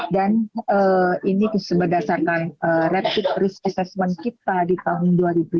dan ini berdasarkan rapid risk assessment kita di tahun dua ribu dua puluh dua